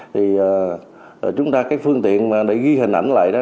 thì chúng ta cái phương tiện mà để ghi hình ảnh lại đó